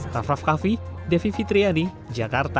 raff raff kaffi devi fitriani jakarta